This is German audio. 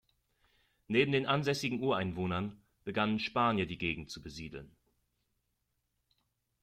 Neben den ansässigen Ureinwohnern begannen Spanier die Gegend zu besiedeln.